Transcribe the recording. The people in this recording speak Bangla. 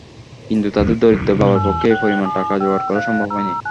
কিন্তু তাদের দরিদ্র বাবার পক্ষে এই পরিমাণ টাকা জোগাড় করা সম্ভব হয়নি।